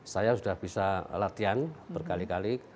saya sudah bisa latihan berkali kali